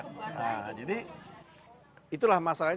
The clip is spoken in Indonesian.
nah jadi itulah masalahnya